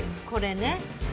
これね。